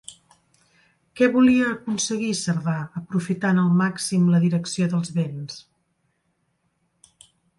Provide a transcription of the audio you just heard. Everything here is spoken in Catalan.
Què volia aconseguir Cerdà aprofitant al màxim la direcció dels vents?